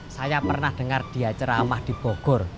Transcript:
saya pernah dengar dia ceramah di bogor